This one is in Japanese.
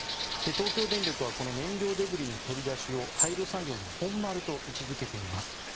東京電力はこの燃料デブリの取り出しを廃炉作業の本丸と位置付けています。